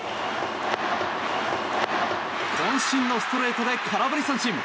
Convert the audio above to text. こん身のストレートで空振り三振。